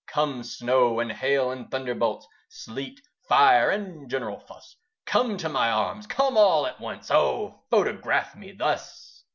Come snow, and hail, and thunderbolts, Sleet, fire, and general fuss; Come to my arms, come all at once Oh photograph me thus!